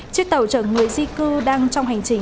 chiếc tàu chở người di cư đang trong hành trình